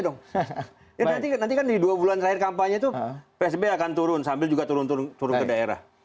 dong ya nanti kan di dua bulan terakhir kampanye itu psb akan turun sambil juga turun turun ke daerah